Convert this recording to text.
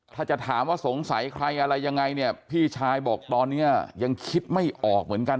ถ้าจะถามว่าสงสัยใครอะไรยังไงเนี่ยพี่ชายบอกตอนนี้ยังคิดไม่ออกเหมือนกัน